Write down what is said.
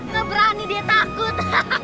lo berani dia takut